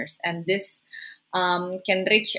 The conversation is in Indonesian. dan ini bisa mencapai tujuh puluh